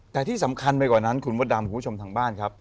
แต่ที่สำคัญไปกว่านั้นคุณมดดำคุณผู้ชมทางบ้านครับ